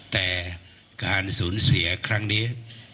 แต่การสูญเสียครั้งนี้